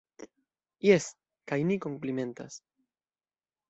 Jes, kaj ni komplimentas.